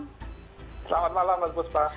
selamat malam mas bustra